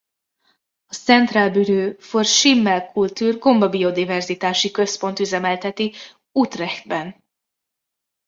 A Centraalbureau voor Schimmelcultures gomba biodiverzitási központ üzemelteti Utrechtben.